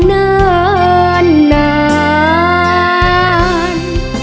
เนิ่นนาน